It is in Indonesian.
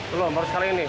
belum harus kali ini